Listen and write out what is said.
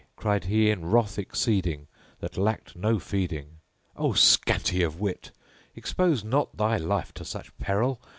cried he in wrath exceeding that lacked no feeding, "O scanty of wit, expose not thy life to such peril!